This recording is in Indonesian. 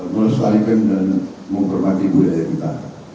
melestarikan dan menghormati budaya kita